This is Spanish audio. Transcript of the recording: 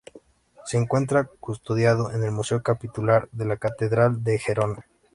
Se encuentra custodiado en el Museo Capitular de la catedral de Gerona.